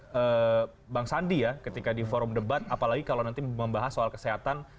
bagaimana bang sandi ya ketika di forum debat apalagi kalau nanti membahas soal kesehatan